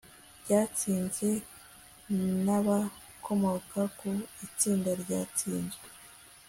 ryatsinze n'abakomoka ku itsinda rya tsinzwe